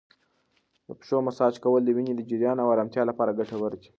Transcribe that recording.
د پښو مساج کول د وینې د جریان او ارامتیا لپاره ګټور دی.